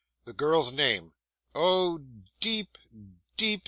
'The girl's name?' 'Oh deep, deep!